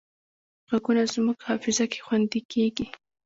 غږونه زموږ حافظه کې خوندي کېږي